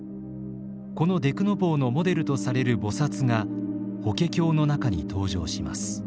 このデクノボーのモデルとされる菩薩が「法華経」の中に登場します。